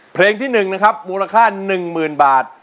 เพลงที่๑นะครับมูลค่า๑๐๐๐บาท